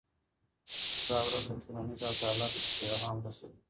دا ورځ د ټولنیز عدالت پیغام رسوي.